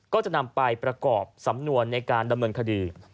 ก็จะนำไปประกอบสำนวนในการดำเนินคดี